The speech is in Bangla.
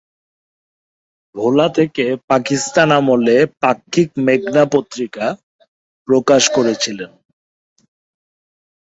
ভোলা থেকে পাকিস্তান আমলে ‘পাক্ষিক মেঘনা পত্রিকা’ প্রকাশ করেছিলেন।